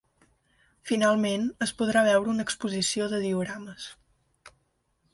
Finalment, es podrà veure una exposició de diorames.